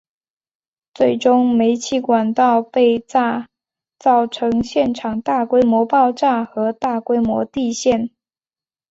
最终煤气管道被炸造成现场大规模爆炸和大规模地陷。